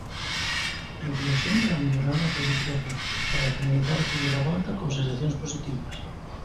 Inflexión para mellorar na clasificación, para finalizar a primeira volta con sensacións positivas.